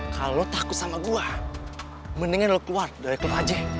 kalau takut sama gue mendingan lo keluar dari klub aceh